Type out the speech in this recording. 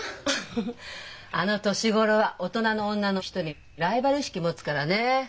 フフフあの年頃は大人の女の人にライバル意識持つからねえ。